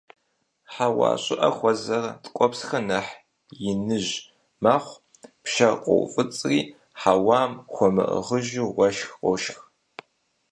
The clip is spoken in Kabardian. Хьэуа щӀыӀэ хуэзэрэ – ткӀуэпсхэр нэхъ иныж мэхъу, пшэр къоуфӀыцӀри, хьэуам хуэмыӀыгъыжу уэшх къошх.